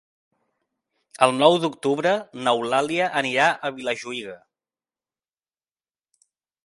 El nou d'octubre n'Eulàlia anirà a Vilajuïga.